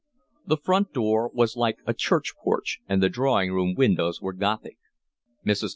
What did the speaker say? The front door was like a church porch, and the drawing room windows were gothic. Mrs.